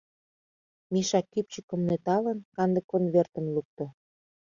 Миша, кӱпчыкым нӧлталын, канде конвертым лукто.